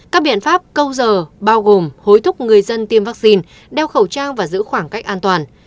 các biện pháp công giờ bao gồm hối thúc người dân tiêm vaccine đeo khẩu trang và giữ khoảng cách an toàn